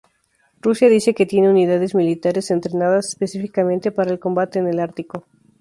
Rusia dice que tiene unidades militares entrenadas específicamente para el combate en el Ártico.